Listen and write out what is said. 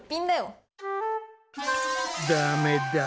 ダメだ。